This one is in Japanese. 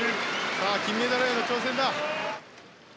さあ金メダルへの挑戦だ。